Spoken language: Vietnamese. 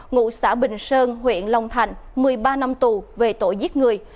ngụ xã bình sơn huyện long thành một mươi ba năm tù về tội giết người